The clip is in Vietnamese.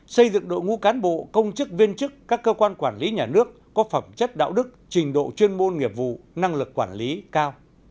xây dựng đội ngũ cán bộ công chức viên chức các cơ quan quản lý nhà nước có phẩm chất đạo đức trình độ chuyên môn nghiệp vụ năng lực quản lý cao